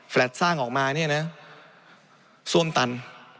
สร้างออกมาเนี่ยนะซ่วมตัน